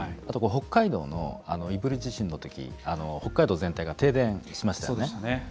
あと北海道の胆振地震のとき北海道全体が停電しましたよね。